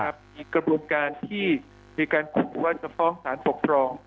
อีกกระบวนการที่มีการขู่ว่าจะฟ้องสารปกครอง